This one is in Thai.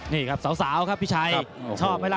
นี่ครับสาวครับพี่ชัยชอบไหมล่ะ